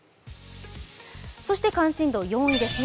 そして関心度４位ですね。